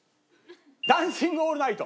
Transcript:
『ダンシング・オールナイト』。